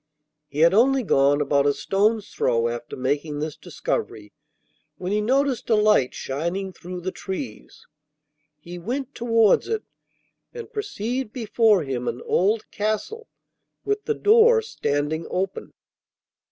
He had only gone about a stone's throw after making this discovery when he noticed a light shining through the trees. He went towards it, and perceived before him an old castle, with the door standing open.